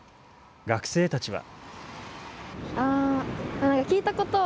学生たちは。